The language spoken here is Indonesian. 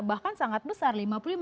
bahkan sangat besar